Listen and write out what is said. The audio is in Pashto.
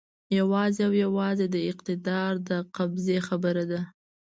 یوازې او یوازې د اقتدار د قبضې خبره ده.